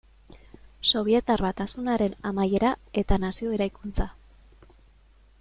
Sobietar Batasunaren amaiera eta nazio eraikuntza.